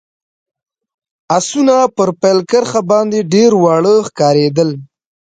اسان پر پیل کرښه باندي ډېر واړه ښکارېدل.